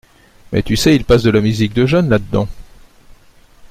Mais tu sais, il passe de la musique de jeunes, là-dedans